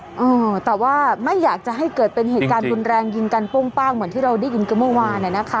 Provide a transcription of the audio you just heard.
เออแต่ว่าไม่อยากจะให้เกิดเป็นเหตุการณ์รุนแรงยิงกันโป้งป้างเหมือนที่เราได้ยินกันเมื่อวานอ่ะนะคะ